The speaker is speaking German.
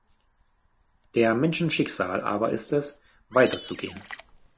Der Menschen Schicksal aber ist es, weiter zu gehen.